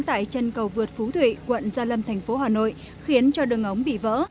tại chân cầu vượt phú thủy quận gia lâm thành phố hà nội khiến cho đường ống bị vỡ